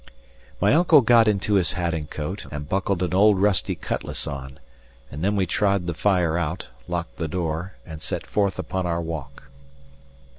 My uncle got into his hat and coat, and buckled an old rusty cutlass on; and then we trod the fire out, locked the door, and set forth upon our walk.